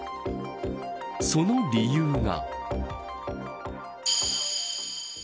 その理由は。